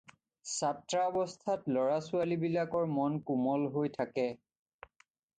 ছাত্ৰাৱস্থাত ল'ৰা-ছােৱালীবিলাকৰ মন কোমল হৈ থাকে।